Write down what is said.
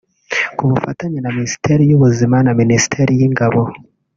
ku bufatanye na Minisiteri y’Ubuzima na Minisiteri y’Ingabo